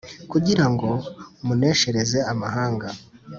kugira ngo muneshereze amahanga